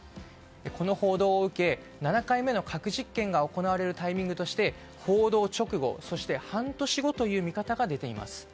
この報道を受け７回目の核実験が行われるタイミングとして報道直後、そして半年後という見方が出ています。